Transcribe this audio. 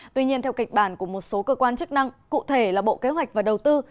tuy nhiên theo kịch bản của một số cơ quan chức năng cụ thể là bộ kế hoạch và đầu tư